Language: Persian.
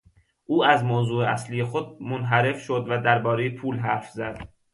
او از موضوع اصلی خود منحرف شد و دربارهی پول حرف زد.